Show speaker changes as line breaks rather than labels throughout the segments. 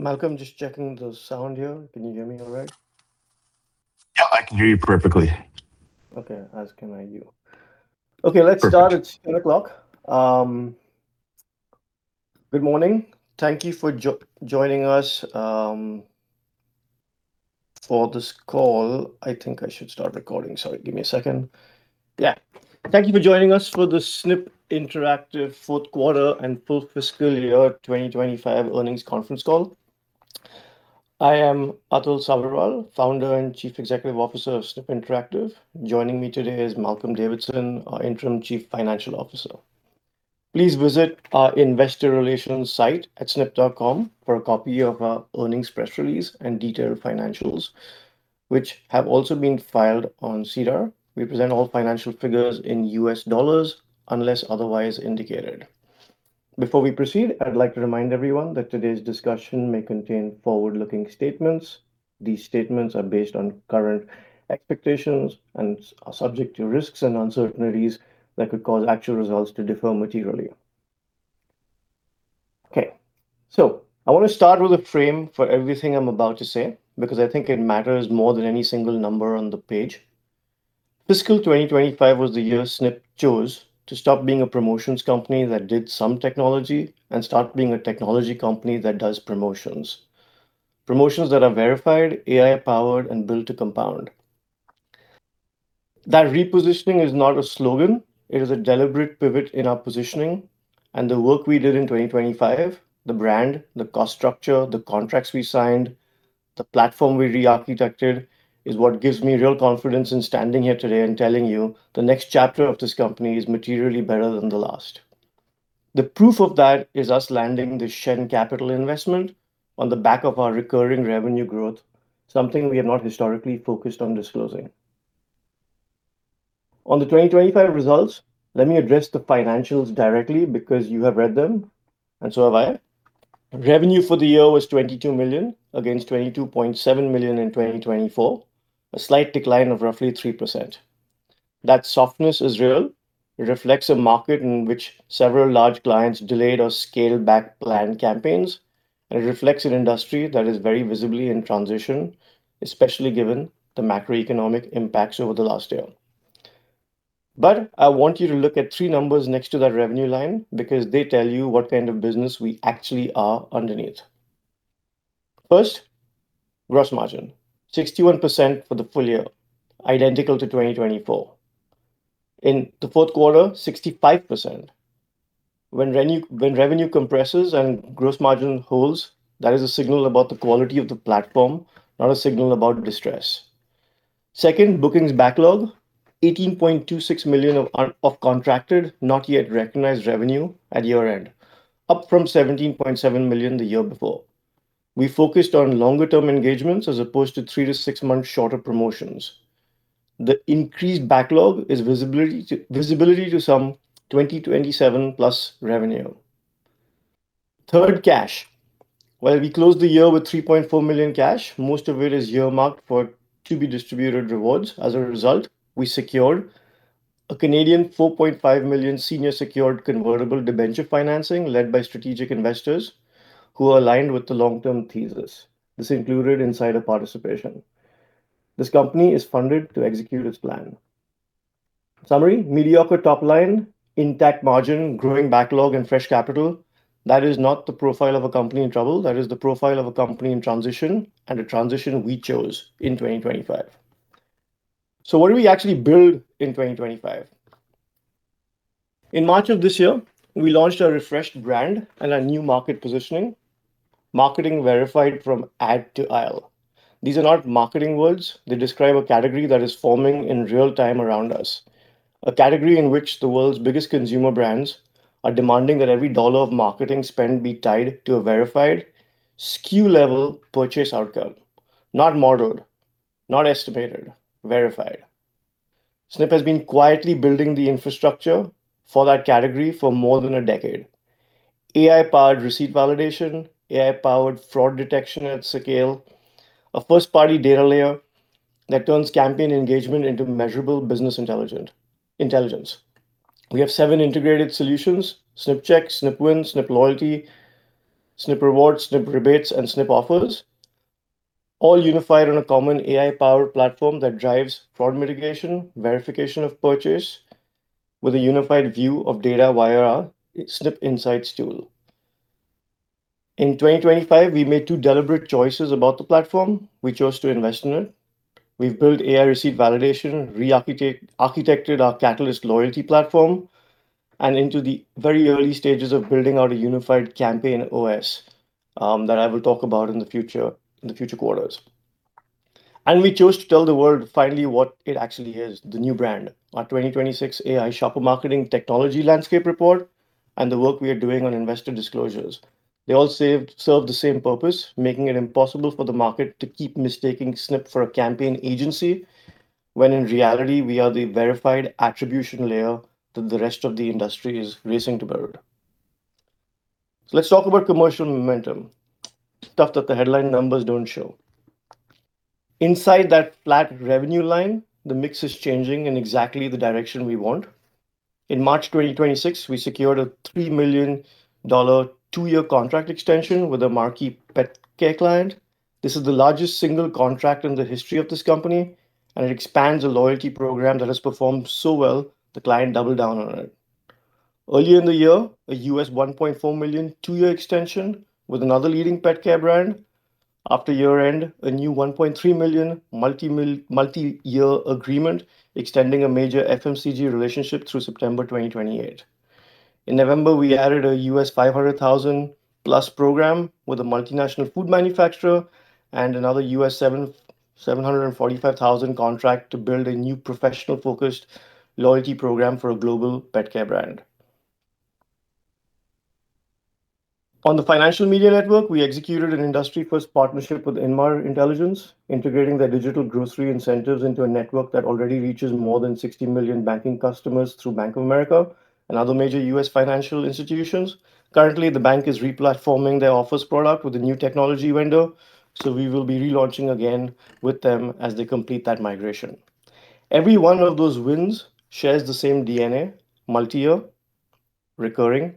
Malcolm, just checking the sound here. Can you hear me all right?
Yeah, I can hear you perfectly.
Okay. As can I you. Okay, let's start. Perfect. It's 10:00 A.M. Good morning. Thank you for joining us for this call. I think I should start recording. Sorry, give me a second. Yeah. Thank you for joining us for this Snipp Interactive fourth quarter and full fiscal year 2025 earnings conference call. I am Atul Sabharwal, Founder and Chief Executive Officer of Snipp Interactive. Joining me today is Malcolm Davidson, our Interim Chief Financial Officer. Please visit our investor relations site at snipp.com for a copy of our earnings press release and detailed financials, which have also been filed on SEDAR. We present all financial figures in U.S. dollars unless otherwise indicated. Before we proceed, I'd like to remind everyone that today's discussion may contain forward-looking statements. These statements are based on current expectations and are subject to risks and uncertainties that could cause actual results to differ materially. Okay, I wanna start with a frame for everything I'm about to say because I think it matters more than any single number on the page. Fiscal 2025 was the year Snipp chose to stop being a promotions company that did some technology and start being a technology company that does promotions. Promotions that are verified, AI-powered and built to compound. That repositioning is not a slogan, it is a deliberate pivot in our positioning. The work we did in 2025, the brand, the cost structure, the contracts we signed, the platform we rearchitected is what gives me real confidence in standing here today and telling you the next chapter of this company is materially better than the last. The proof of that is us landing the Shen Capital investment on the back of our recurring revenue growth, something we have not historically focused on disclosing. On the 2025 results, let me address the financials directly because you have read them, and so have I. Revenue for the year was $22 million against $22.7 million in 2024, a slight decline of roughly 3%. That softness is real. It reflects a market in which several large clients delayed or scaled back planned campaigns, and it reflects an industry that is very visibly in transition, especially given the macroeconomic impacts over the last year. I want you to look at three numbers next to that revenue line because they tell you what kind of business we actually are underneath. First, gross margin, 61% for the full year, identical to 2024. In the fourth quarter, 65%. When revenue compresses and gross margin holds, that is a signal about the quality of the platform, not a signal about distress. Second, bookings backlog, $18.26 million of contracted, not yet recognized revenue at year-end, up from $17.7 million the year before. We focused on longer-term engagements as opposed to 3-6 month shorter promotions. The increased backlog is visibility to 2027 plus revenue. Third, cash. While we closed the year with $3.4 million cash, most of it is earmarked for to-be-distributed rewards. As a result, we secured a 4.5 million senior secured convertible debenture financing led by strategic investors who are aligned with the long-term thesis. This included insider participation. This company is funded to execute its plan. Summary: mediocre top line, intact margin, growing backlog and fresh capital. That is not the profile of a company in trouble. That is the profile of a company in transition, and a transition we chose in 2025. What did we actually build in 2025? In March of this year, we launched a refreshed brand and a new market positioning, marketing verified from ad to aisle. These are not marketing words. They describe a category that is forming in real time around us, a category in which the world's biggest consumer brands are demanding that every $1 of marketing spend be tied to a verified SKU-level purchase outcome. Not modeled, not estimated, verified. Snipp has been quietly building the infrastructure for that category for more than a decade. AI-powered receipt validation, AI-powered fraud detection at scale, a first-party data layer that turns campaign engagement into measurable business intelligence. We have seven integrated solutions: SnippCheck, SnippWin, SnippLoyalty, SnippRewards, SnippRebates, and SnippOffers, all unified on a common AI-powered platform that drives fraud mitigation, verification of purchase with a unified view of data via our SnippInsights tool. In 2025, we made two deliberate choices about the platform. We chose to invest in it. We've built AI receipt validation, rearchitected our Catalyst Loyalty platform, and into the very early stages of building out a unified campaign OS that I will talk about in the future, in the future quarters. We chose to tell the world finally what it actually is, the new brand, our 2026 AI shopper marketing technology landscape report and the work we are doing on investor disclosures. They all serve the same purpose, making it impossible for the market to keep mistaking Snipp for a campaign agency, when in reality, we are the verified attribution layer that the rest of the industry is racing to build. Let's talk about commercial momentum, stuff that the headline numbers don't show. Inside that flat revenue line, the mix is changing in exactly the direction we want. In March 2026, we secured a $3 million two-year contract extension with a marquee pet care client. This is the largest single contract in the history of this company, and it expands a loyalty program that has performed so well, the client doubled down on it. Earlier in the year, a $1.4 million two-year extension with another leading pet care brand. After year-end, a new $1.3 million multi-year agreement extending a major FMCG relationship through September 2028. In November, we added a $500,000+ program with a multinational food manufacturer and another $745,000 contract to build a new professional-focused loyalty program for a global pet care brand. On the financial media network, we executed an industry-first partnership with Inmar Intelligence, integrating their digital grocery incentives into a network that already reaches more than 60 million banking customers through Bank of America and other major U.S. financial institutions. Currently, the bank is re-platforming their office product with a new technology window, we will be relaunching again with them as they complete that migration. Every one of those wins shares the same DNA: multi-year, recurring,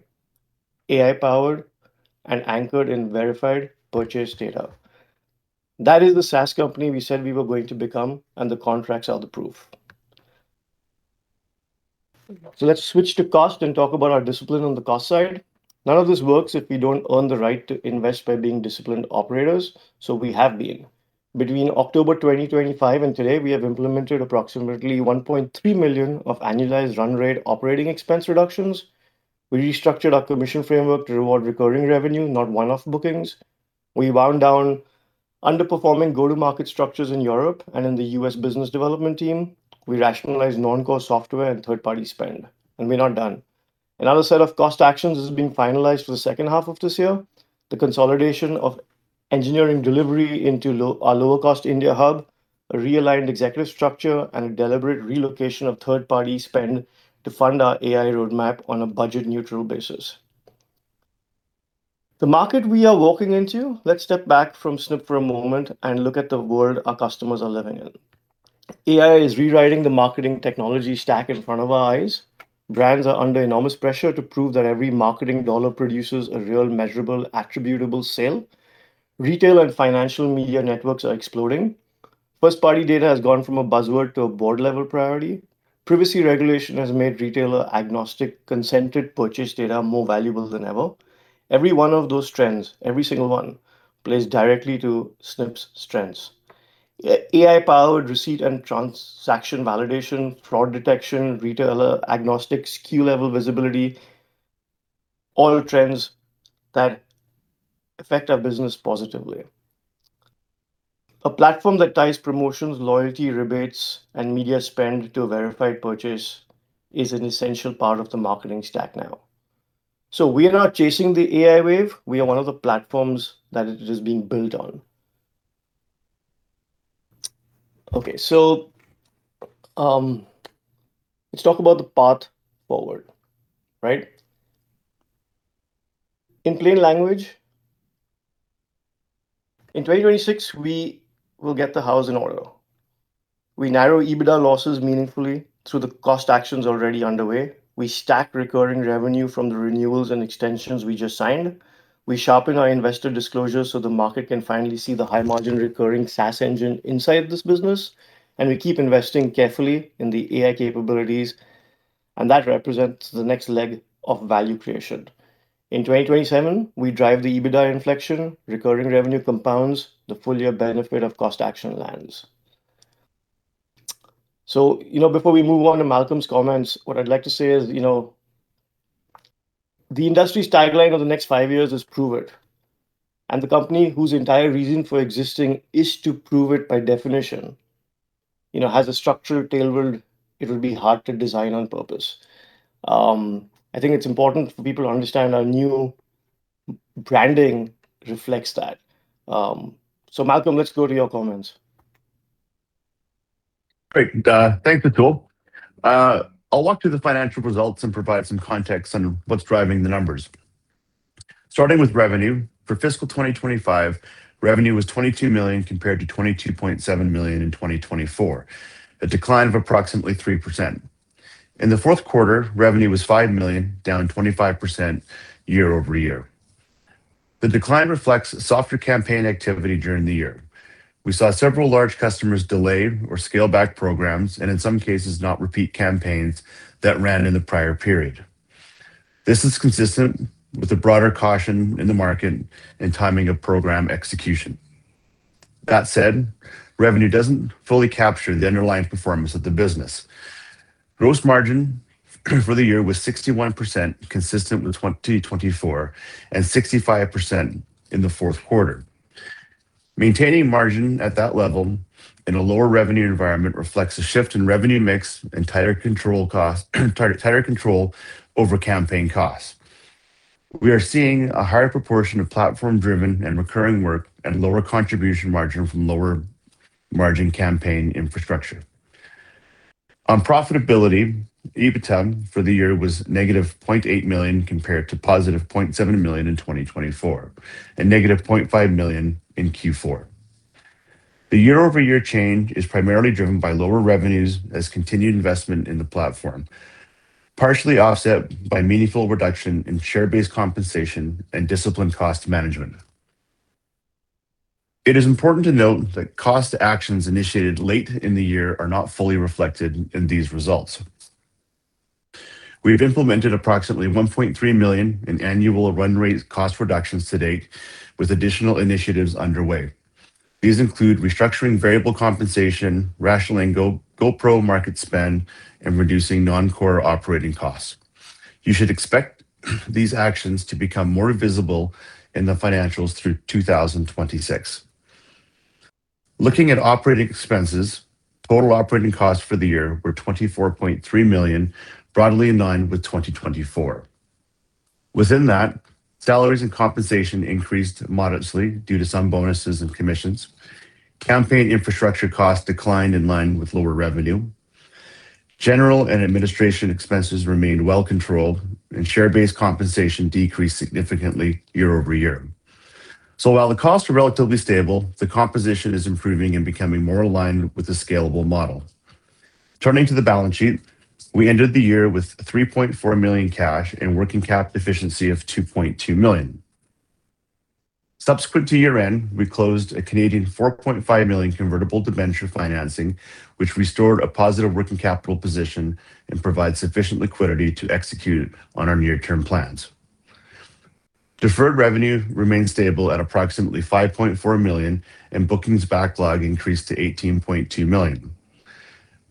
AI-powered, and anchored in verified purchase data. That is the SaaS company we said we were going to become, and the contracts are the proof. Let's switch to cost and talk about our discipline on the cost side. None of this works if we don't earn the right to invest by being disciplined operators, so we have been. Between October 2025 and today, we have implemented approximately $1.3 million of annualized run rate operating expense reductions. We restructured our commission framework to reward recurring revenue, not one-off bookings. We wound down underperforming go-to-market structures in Europe and in the U.S. business development team. We rationalized non-core software and third-party spend, and we're not done. Another set of cost actions has been finalized for the second half of this year. The consolidation of engineering delivery into our lower cost India hub, a realigned executive structure, and a deliberate relocation of third-party spend to fund our AI roadmap on a budget neutral basis. The market we are walking into, let's step back from Snipp for a moment and look at the world our customers are living in. AI is rewriting the marketing technology stack in front of our eyes. Brands are under enormous pressure to prove that every marketing dollar produces a real, measurable, attributable sale. Retail and financial media networks are exploding. First-party data has gone from a buzzword to a board-level priority. Privacy regulation has made retailer-agnostic, consented purchase data more valuable than ever. Every one of those trends, every single one, plays directly to Snipp's strengths. AI-powered receipt and transaction validation, fraud detection, retailer-agnostic SKU-level visibility, all trends that affect our business positively. A platform that ties promotions, loyalty rebates, and media spend to a verified purchase is an essential part of the marketing stack now. We are not chasing the AI wave. We are one of the platforms that it is being built on. Okay. Let's talk about the path forward, right? In plain language, in 2026, we will get the house in order. We narrow EBITDA losses meaningfully through the cost actions already underway. We stack recurring revenue from the renewals and extensions we just signed. We sharpen our investor disclosure so the market can finally see the high-margin recurring SaaS engine inside this business, and we keep investing carefully in the AI capabilities, and that represents the next leg of value creation. In 2027, we drive the EBITDA inflection, recurring revenue compounds, the full-year benefit of cost action lands. You know, before we move on to Malcolm's comments, what I'd like to say is, you know, the industry's tagline over the next five years is prove it. The company whose entire reason for existing is to prove it by definition, you know, has a structural tailwind it will be hard to design on purpose. I think it's important for people to understand our new branding reflects that. Malcolm, let's go to your comments.
Great. Thanks, Atul. I'll walk through the financial results and provide some context on what's driving the numbers. Starting with revenue, for fiscal 2025, revenue was $22 million compared to $22.7 million in 2024, a decline of approximately 3%. In the fourth quarter, revenue was $5 million, down 25% year-over-year. The decline reflects softer campaign activity during the year. We saw several large customers delay or scale back programs, and in some cases, not repeat campaigns that ran in the prior period. This is consistent with the broader caution in the market and timing of program execution. That said, revenue doesn't fully capture the underlying performance of the business. Gross margin for the year was 61%, consistent with 2024, and 65% in the fourth quarter. Maintaining margin at that level in a lower revenue environment reflects a shift in revenue mix and tighter control over campaign costs. We are seeing a higher proportion of platform-driven and recurring work and lower contribution margin from lower-margin campaign infrastructure. On profitability, EBITDA for the year was $-0.8 million compared to $+0.7 million in 2024 and $-0.5 million in Q4. The year-over-year change is primarily driven by lower revenues as continued investment in the platform, partially offset by meaningful reduction in share-based compensation and disciplined cost management. It is important to note that cost actions initiated late in the year are not fully reflected in these results. We've implemented approximately $1.3 million in annual run rate cost reductions to date, with additional initiatives underway. These include restructuring variable compensation, rationing go-to-market spend, and reducing non-core operating costs. You should expect these actions to become more visible in the financials through 2026. Looking at operating expenses, total operating costs for the year were $24.3 million, broadly in line with 2024. Within that, salaries and compensation increased modestly due to some bonuses and commissions. Campaign infrastructure costs declined in line with lower revenue. General and administration expenses remained well controlled, and share-based compensation decreased significantly year-over-year. While the costs are relatively stable, the composition is improving and becoming more aligned with the scalable model. Turning to the balance sheet, we ended the year with $3.4 million cash and working capital efficiency of $2.2 million. Subsequent to year-end, we closed a 4.5 million convertible debenture financing, which restored a positive working capital position and provides sufficient liquidity to execute on our near-term plans. Deferred revenue remained stable at approximately $5.4 million, and bookings backlog increased to $18.2 million.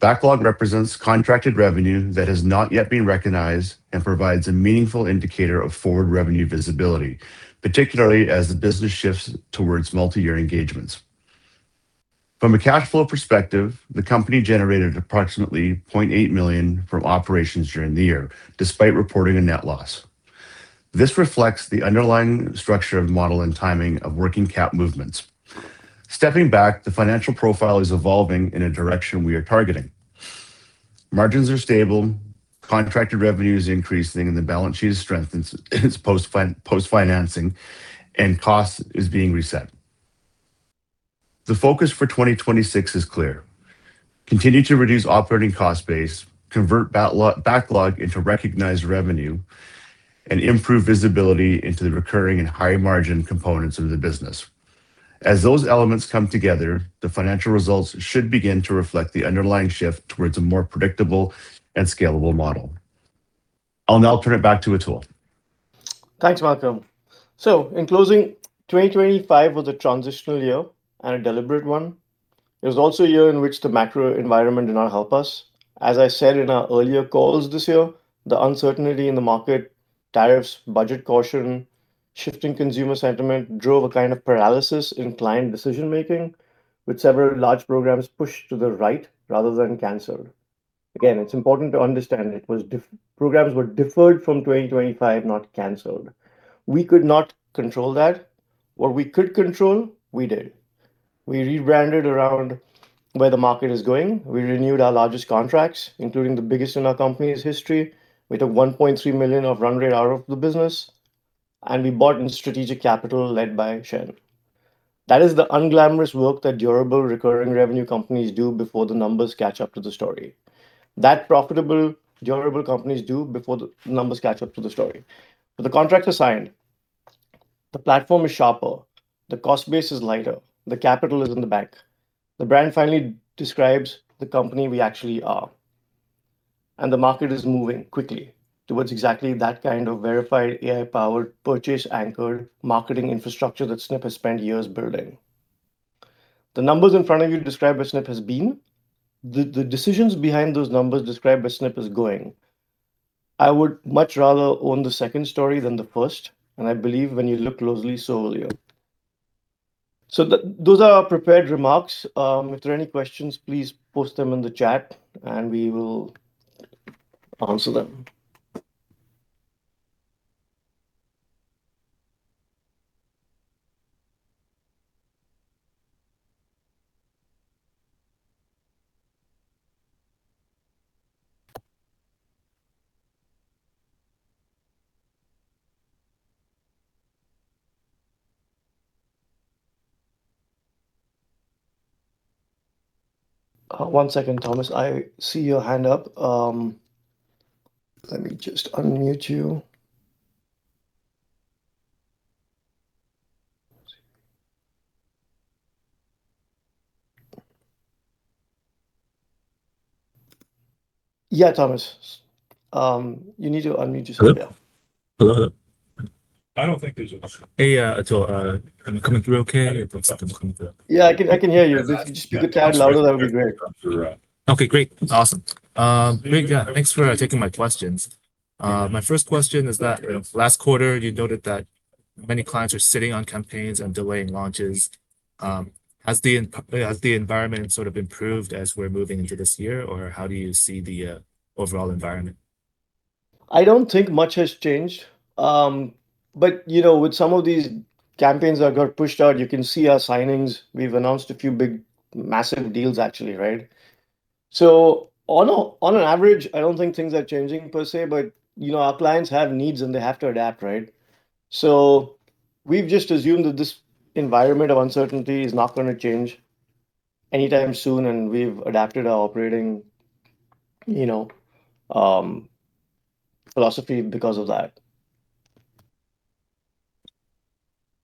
Backlog represents contracted revenue that has not yet been recognized and provides a meaningful indicator of forward revenue visibility, particularly as the business shifts towards multi-year engagements. From a cash flow perspective, the company generated approximately $0.8 million from operations during the year, despite reporting a net loss. This reflects the underlying structure of model and timing of working cap movements. Stepping back, the financial profile is evolving in a direction we are targeting. Margins are stable, contracted revenue is increasing, and the balance sheet is strengthened its post-financing, and cost is being reset. The focus for 2026 is clear. Continue to reduce operating cost base, convert backlog into recognized revenue, and improve visibility into the recurring and high-margin components of the business. As those elements come together, the financial results should begin to reflect the underlying shift towards a more predictable and scalable model. I'll now turn it back to Atul.
Thanks, Malcolm. In closing, 2025 was a transitional year and a deliberate one. It was also a year in which the macro environment did not help us. As I said in our earlier calls this year, the uncertainty in the market, tariffs, budget caution, shifting consumer sentiment drove a kind of paralysis in client decision-making, with several large programs pushed to the right rather than canceled. Again, it's important to understand programs were deferred from 2025, not canceled. We could not control that. What we could control, we did. We rebranded around where the market is going. We renewed our largest contracts, including the biggest in our company's history. We took $1.3 million of run rate out of the business, and we bought in strategic capital led by Shen. That is the unglamorous work that durable recurring revenue companies do before the numbers catch up to the story. That profitable durable companies do before the numbers catch up to the story. The contract is signed. The platform is sharper. The cost base is lighter. The capital is in the bank. The brand finally describes the company we actually are. The market is moving quickly towards exactly that kind of verified AI-powered, purchase-anchored marketing infrastructure that Snipp has spent years building. The numbers in front of you describe where Snipp has been. The decisions behind those numbers describe where Snipp is going. I would much rather own the second story than the first, and I believe when you look closely, so will you. Those are our prepared remarks. If there are any questions, please post them in the chat, and we will answer them. One second, Thomas. I see your hand up. Let me just unmute you. Yeah, Thomas. You need to unmute yourself, yeah.
Hello? Hello?
I don't think there's.
Hey, Atul. Am I coming through okay? It looks like I'm coming through.
Yeah, I can hear you. If you could just speak a tad louder, that would be great.
Okay, great. Awesome. Great. Yeah. Thanks for taking my questions. My first question is that last quarter you noted that many clients are sitting on campaigns and delaying launches. Has the environment sort of improved as we're moving into this year, or how do you see the overall environment?
I don't think much has changed. You know, with some of these campaigns that got pushed out, you can see our signings. We've announced a few big massive deals actually, right? On a, on an average, I don't think things are changing per se, but, you know, our clients have needs, and they have to adapt, right? We've just assumed that this environment of uncertainty is not gonna change anytime soon, and we've adapted our operating, you know, philosophy because of that.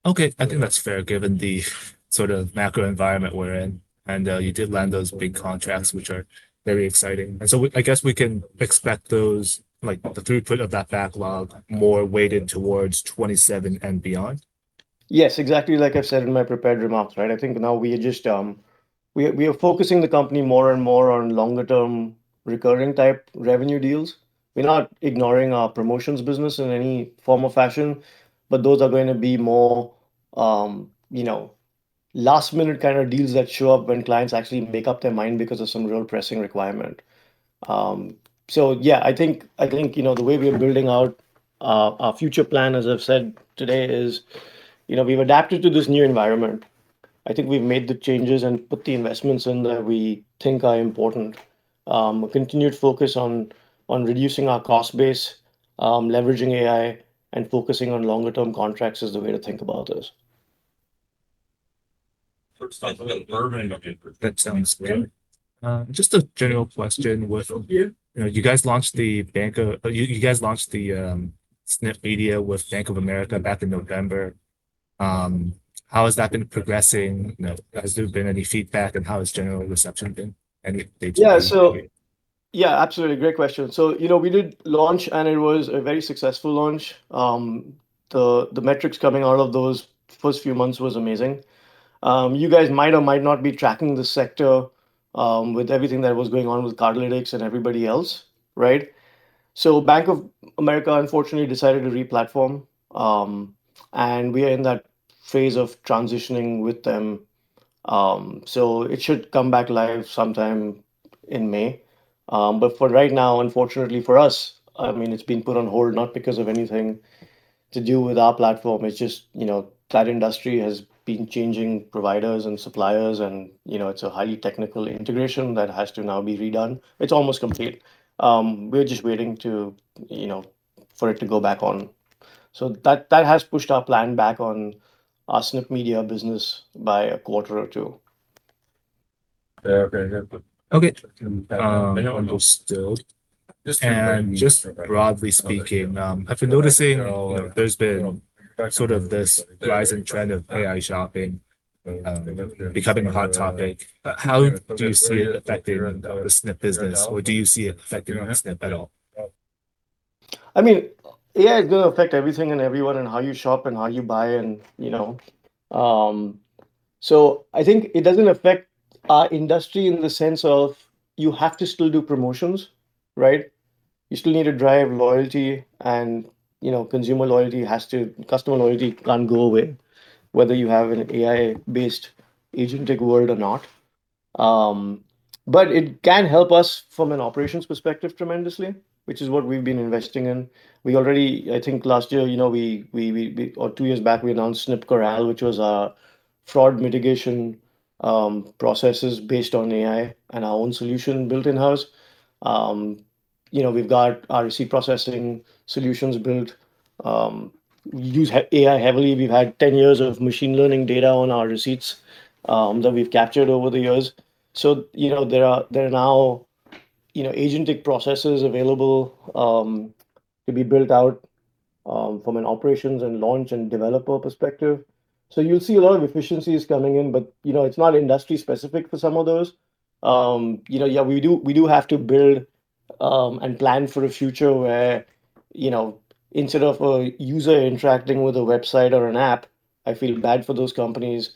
Okay. I think that's fair given the sort of macro environment we're in. You did land those big contracts, which are very exciting. I guess we can expect those, like, the throughput of that backlog more weighted towards 2027 and beyond?
Yes, exactly like I've said in my prepared remarks, right? I think now we are just We are focusing the company more and more on longer term recurring type revenue deals. We're not ignoring our promotions business in any formal passion but those are going to be more, you know, last minute kind of deals that show up when clients actually make up their mind because of some real pressing requirement. Yeah, I think, you know, the way we are building out our future plan, as I've said today, is, you know, we've adapted to this new environment. I think we've made the changes and put the investments in that we think are important. Continued focus on reducing our cost base, leveraging AI, focusing on longer term contracts is the way to think about this.
That sounds great. Just a general question with, you know, you guys launched the SnippMedia with Bank of America back in November. How has that been progressing? You know, has there been any feedback, and how has general reception been? Any updates on that?
Yeah. Absolutely. Great question. You know, we did launch, and it was a very successful launch. The metrics coming out of those first few months was amazing. You guys might or might not be tracking the sector, with everything that was going on with Cardlytics and everybody else, right? Bank of America unfortunately decided to re-platform, and we are in that phase of transitioning with them. It should come back live sometime in May. For right now, unfortunately for us, I mean, it's been put on hold, not because of anything to do with our platform. It's just, you know, that industry has been changing providers and suppliers and, you know, it's a highly technical integration that has to now be redone. It's almost complete. We're just waiting to, you know, for it to go back on. That has pushed our plan back on our SnippMedia business by a quarter or two.
Yeah. Okay. Okay. Just broadly speaking, I've been noticing there's been sort of this rising trend of AI shopping, becoming a hot topic. How do you see it affecting the Snipp business, or do you see it affecting Snipp at all?
I mean, yeah, it's gonna affect everything and everyone in how you shop and how you buy and, you know. I think it doesn't affect our industry in the sense of you have to still do promotions, right? You still need to drive loyalty and, you know, consumer loyalty customer loyalty can't go away, whether you have an AI-based agentic world or not. It can help us from an operations perspective tremendously, which is what we've been investing in. We already I think last year, you know, or two years back, we announced Snipp CORRAL, which was our fraud mitigation, processes based on AI and our own solution built in-house. You know, we've got receipt processing solutions built, use AI heavily. We've had 10 years of machine learning data on our receipts that we've captured over the years. You know, there are now, you know, agentic processes available to be built out from an operations and launch and developer perspective. You'll see a lot of efficiencies coming in, but, you know, it's not industry specific for some of those. You know, yeah, we do have to build and plan for a future where, you know, instead of a user interacting with a website or an app, I feel bad for those companies,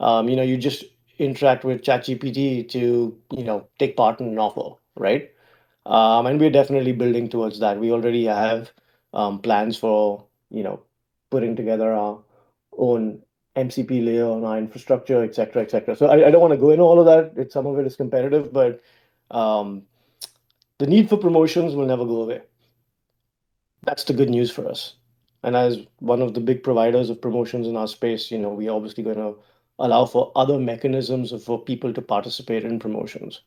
you know, you just interact with ChatGPT to, you know, take part in an offer, right? We're definitely building towards that. We already have plans for, you know, putting together our own MCP layer on our infrastructure, etc., etc. I don't wanna go into all of that. Some of it is competitive, but the need for promotions will never go away. That's the good news for us. As one of the big providers of promotions in our space, you know, we're obviously gonna allow for other mechanisms for people to participate in promotions.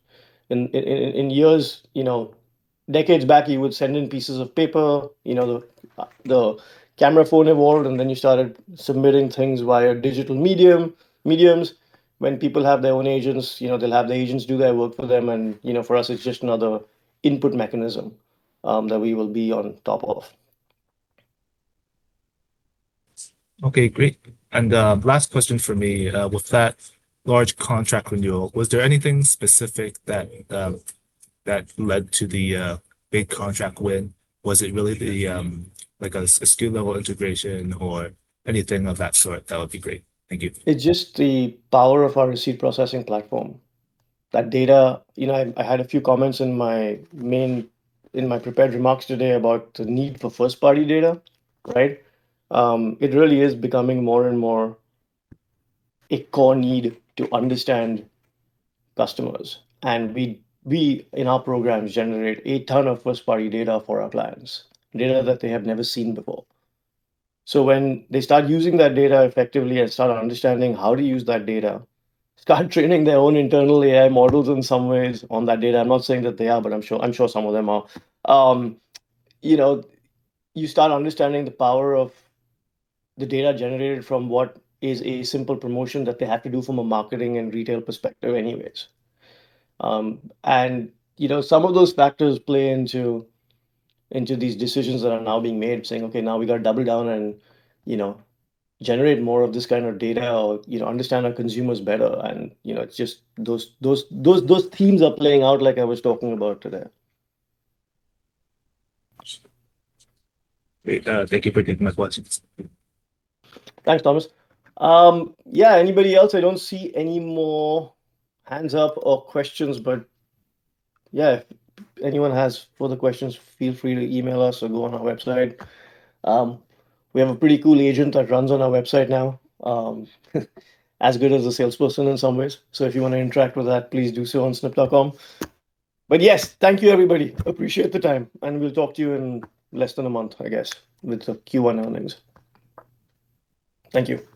In years, you know, decades back, you would send in pieces of paper. You know, the camera phone evolved, you started submitting things via digital mediums. When people have their own agents, you know, they'll have the agents do their work for them. You know, for us, it's just another input mechanism that we will be on top of.
Okay. Great. Last question from me. With that large contract renewal, was there anything specific that led to the big contract win? Was it really the like a SKU level integration or anything of that sort? That would be great. Thank you.
It's just the power of our receipt processing platform. That data, you know, I had a few comments in my prepared remarks today about the need for first party data, right? It really is becoming more and more a core need to understand customers. We, in our programs, generate a ton of first party data for our clients, data that they have never seen before. When they start using that data effectively and start understanding how to use that data, start training their own internal AI models in some ways on that data, I'm not saying that they are, but I'm sure some of them are, you know, you start understanding the power of the data generated from what is a simple promotion that they have to do from a marketing and retail perspective anyways. You know, some of those factors play into these decisions that are now being made saying, "Okay, now we gotta double down and, you know, generate more of this kind of data or, you know, understand our consumers better." You know, it's just those themes are playing out like I was talking about today.
Great. Thank you for taking my questions.
Thanks, Thomas. Yeah. Anybody else? I don't see any more hands up or questions. Yeah, if anyone has further questions, feel free to email us or go on our website. We have a pretty cool agent that runs on our website now, as good as a salesperson in some ways. If you wanna interact with that, please do so on snipp.com. Yes, thank you, everybody. Appreciate the time. We'll talk to you in less than a month, I guess, with the Q1 earnings. Thank you.